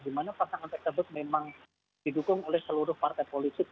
di mana pasangan tersebut memang didukung oleh seluruh partai politik